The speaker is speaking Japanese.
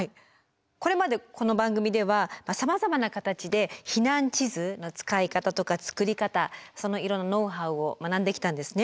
これまでこの番組ではさまざまな形で避難地図の使い方とか作り方そのいろんなノウハウを学んできたんですね。